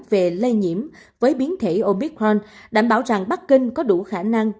về lây nhiễm với biến thể omicron đảm bảo rằng bắc kinh có đủ khả năng